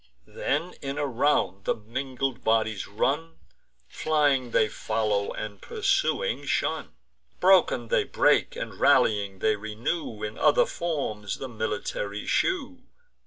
Then in a round the mingled bodies run: Flying they follow, and pursuing shun; Broken, they break; and, rallying, they renew In other forms the military shew.